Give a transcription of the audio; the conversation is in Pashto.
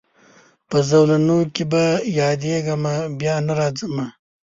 په زولنو کي به یادېږمه بیا نه راځمه